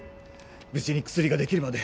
無事に薬ができるまで